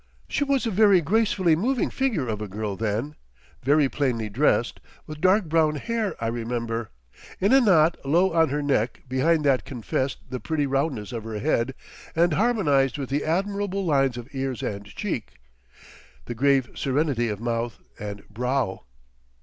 She was a very gracefully moving figure of a girl then, very plainly dressed, with dark brown hair I remember, in a knot low on her neck behind that confessed the pretty roundness of her head and harmonised with the admirable lines of ears and cheek, the grave serenity of mouth and brow.